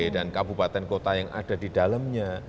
dan kabupaten kota yang ada di dalamnya